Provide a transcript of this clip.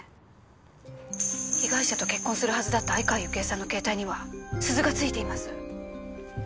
被害者と結婚するはずだった相川雪江さんの携帯には鈴がついています。